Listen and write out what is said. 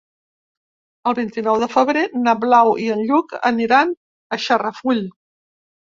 El vint-i-nou de febrer na Blau i en Lluc aniran a Xarafull.